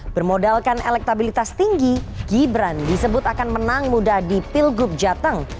bermodalkan elektabilitas tinggi gibran disebut akan menang muda di pilgub jateng